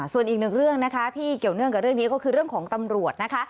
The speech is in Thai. ส่วนอีกหนึ่งเรื่องนะคะที่เกี่ยวเนื่องกับเรื่องนี้ก็คือเรื่องของตำรวจนะคะ